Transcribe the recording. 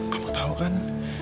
kamu tau kan